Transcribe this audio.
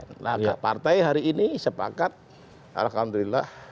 nah agak partai hari ini sepakat alhamdulillah dua puluh dua puluh lima